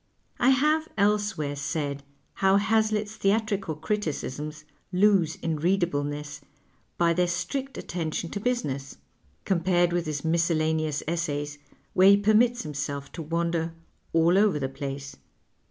I have elsewhere said how Hazlitt's theatrical criticisms lose in readableness by their strict attention to business, compared with his miscellaneous essays, where he permits himself to wander " all over the place."